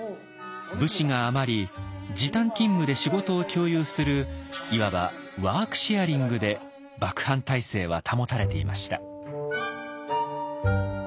武士が余り時短勤務で仕事を共有するいわば「ワーク・シェアリング」で幕藩体制は保たれていました。